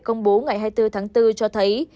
công bố ngày hai mươi bốn tháng bốn cho thấy